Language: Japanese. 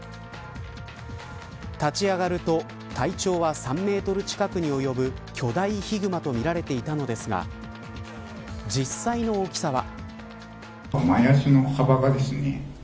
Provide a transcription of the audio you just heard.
立ち上がると、体長は３メートル近くに及ぶ巨大ヒグマとみられていたのですが実際の大きさは。